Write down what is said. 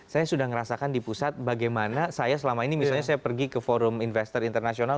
saya sudah merasakan di pusat bagaimana saya selama ini misalnya saya pergi ke forum investor internasional